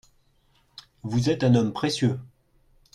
Vous êtes un homme précieux.